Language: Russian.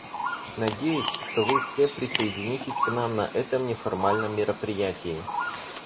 Надеюсь, что вы все присоединитесь к нам на этом неформальном мероприятии.